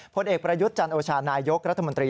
ผลเอกประยุทธ์จันโอชานายกรัฐมนตรี